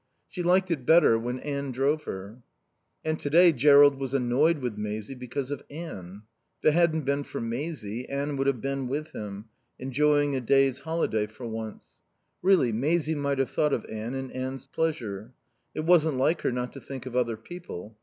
She liked it better when Anne drove her. And today Jerrold was annoyed with Maisie because of Anne. If it hadn't been for Maisie, Anne would have been with him, enjoying a day's holiday for once. Really, Maisie might have thought of Anne and Anne's pleasure. It wasn't like her not to think of other people.